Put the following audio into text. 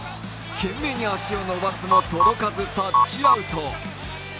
懸命に足を伸ばすも届かずタッチアウト。